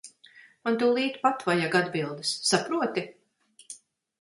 Man tūlīt pat vajag atbildes, saproti.